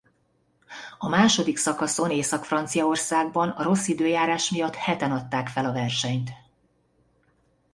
A második szakaszon Észak-Franciaországban a rossz időjárás miatt heten adták fel a versenyt.